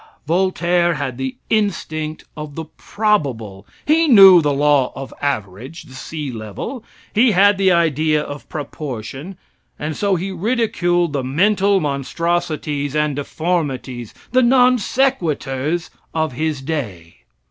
Voltaire had the instinct of the probable. He knew the law of average; the sea level; he had the idea of proportion; and so he ridiculed the mental monstrosities and deformities the non sequiturs of his day.